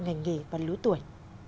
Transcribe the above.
ngành nghề và lũ tuổi